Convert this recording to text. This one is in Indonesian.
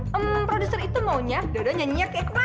hmm produser itu maunya dodo nyanyinya kayak kemana